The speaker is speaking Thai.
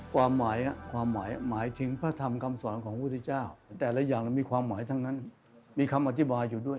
ความหมายความหมายหมายถึงพระธรรมคำสอนของพุทธเจ้าแต่ละอย่างมีความหมายทั้งนั้นมีคำอธิบายอยู่ด้วย